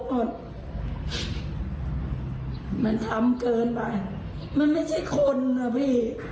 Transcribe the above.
มันทำเกินไปมันไม่ใช่คนนะพี่